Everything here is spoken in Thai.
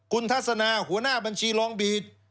คุณทัศนาหัวหน้าบัญชีลองบีด